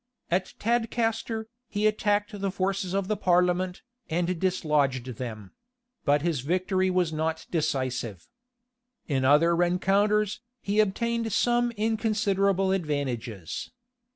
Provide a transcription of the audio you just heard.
At Tadcaster, he attacked the forces of the parliament, and dislodged them: but his victory was not decisive. In other rencounters, he obtained some inconsiderable advantages.